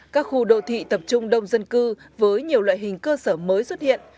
các khu đô thị tập trung đông dân cư với nhiều loại hình cơ sở mới xuất hiện